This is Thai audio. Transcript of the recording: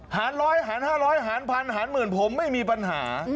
หารร้อยหาร๕๐๐หารพันหารหมื่นผมไม่มีปัญหา